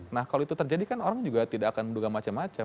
nah kalau itu terjadi kan orang juga tidak akan menduga macam macam